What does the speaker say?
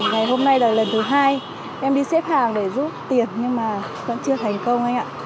ngày hôm nay là lần thứ hai em đi xếp hàng để rút tiền nhưng mà vẫn chưa thành công